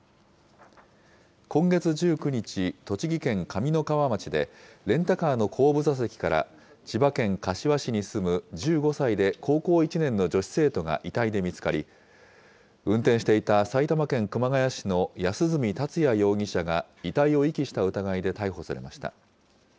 今月１９日、栃木県上三川町で、レンタカーの後部座席から、千葉県柏市に住む１５歳で高校１年の女子生徒が遺体で見つかり、運転していた埼玉県熊谷市の安栖達也容疑者が遺体を遺棄した疑いで逮捕されました。